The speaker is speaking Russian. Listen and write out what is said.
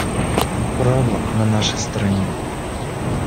Право на нашей стороне.